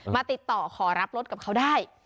ติดต่อขอรับรถกับเขาได้